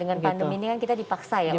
dengan pandemi ini kan kita dipaksa ya